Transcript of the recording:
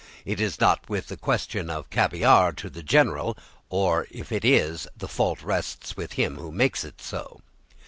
It is not a question of caviare to the general, or, if it is, the fault rests with him who makes so.